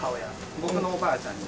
僕のおばあちゃんになる。